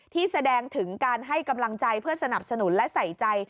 แสดงถึงการให้กำลังใจเพื่อสนับสนุนและใส่ใจ